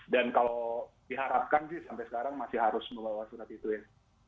dan kalau diharapkan sih sampai sekarang masih harus membawa surat ituin